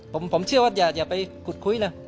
ผมเชื่อว่าอย่าไปขุดคุยนะ